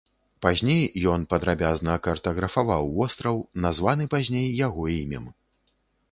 Пазней ён падрабязна картаграфаваў востраў, названы пазней яго імем.